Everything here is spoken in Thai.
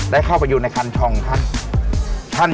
ได้เข้าไปอยู่ในคันชองท่าน